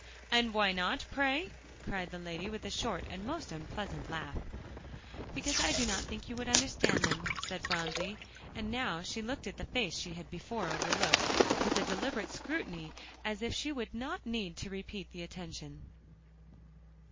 "And why not, pray?" cried the lady, with a short and most unpleasant laugh. "Because I do not think you would understand them," said Phronsie. And now she looked at the face she had before overlooked, with a deliberate scrutiny as if she would not need to repeat the attention.